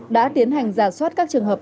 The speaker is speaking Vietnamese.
đã tiến hành giả soát các trường hợp